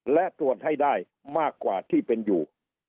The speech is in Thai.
และตรวจให้ได้มากกว่าที่เป็นอยู่